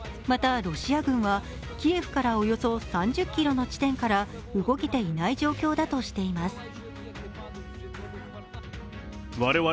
また、ロシア軍はキエフからおよそ３０ｋｍの地点から動けていない状況だとしています。